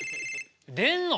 出んの？